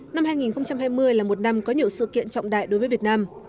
năm hai nghìn hai mươi là một năm có nhiều sự kiện trọng đại đối với việt nam